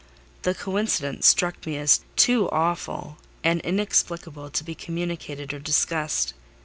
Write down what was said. The coincidence struck me as too awful and inexplicable to be communicated or discussed.